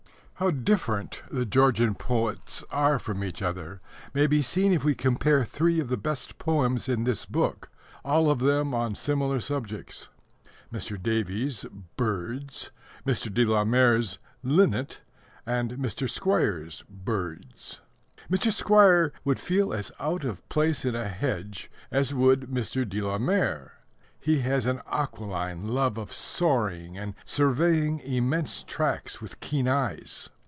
How different the Georgian poets are from each other may be seen if we compare three of the best poems in this book, all of them on similar subjects Mr. Davies's Birds, Mr. de la Mare's Linnet, and Mr. Squire's Birds. Mr. Squire would feel as out of place in a hedge as would Mr. de la Mare. He has an aquiline love of soaring and surveying immense tracts with keen eyes.